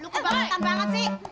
lo kebangetan banget sih